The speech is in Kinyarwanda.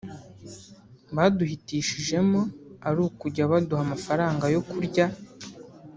Baduhitishijemo ari ukujya baduha amafaranga yo kurya